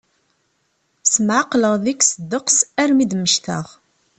Smeɛqleɣ deg-s ddeqs armi i d-mmektaɣ.